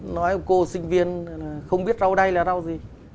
nói cô sinh viên không biết rau đây là rau gì